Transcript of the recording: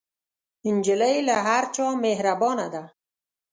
نجلۍ له هر چا مهربانه ده.